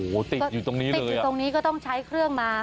โอ้โหติดอยู่ตรงนี้นะติดอยู่ตรงนี้ก็ต้องใช้เครื่องมา